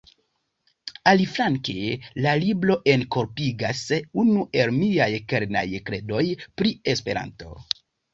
Aliflanke, la libro enkorpigas unu el miaj kernaj kredoj pri Esperanto.